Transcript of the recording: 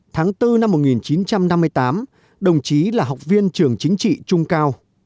tháng bốn năm một nghìn chín trăm năm mươi tám đồng chí là học viên trường chính trị trung cao